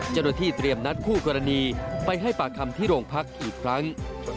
เจ้าหน้าที่เตรียมนัดคู่กรณีไปให้ปากคำที่โรงพักอีกครั้ง